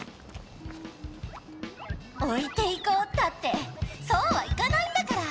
おいていこうったってそうはいかないんだから！